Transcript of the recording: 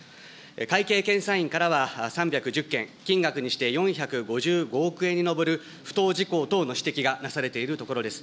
会計検査院からは３１０件、金額にして４５５億円に上る不当事項等の指摘がなされているところです。